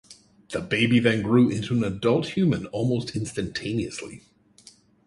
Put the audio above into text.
The baby then grew into an adult human almost instantaneously.